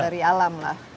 dari alam lah